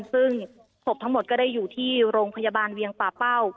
ซึ่งศพทั้งหมดก็ได้อยู่ที่โรงพยาบาลเวียงป่าเป้า